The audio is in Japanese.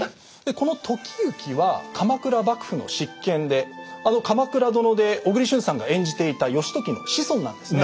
この時行は鎌倉幕府の執権であの「鎌倉殿」で小栗旬さんが演じていた義時の子孫なんですね。